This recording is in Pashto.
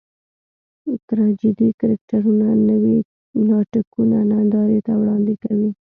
ټراجېډي کرکټرونه نوي ناټکونه نندارې ته وړاندې کوي.